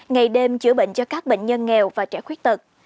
ngày đêm chữa bệnh cho các bệnh nhân nghèo và trẻ khuyết tật